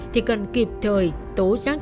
thì cần kịp thời tố giác